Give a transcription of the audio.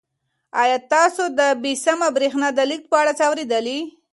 آیا تاسو د بې سیمه بریښنا د لېږد په اړه څه اورېدلي؟